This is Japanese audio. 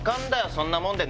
そんなもんで！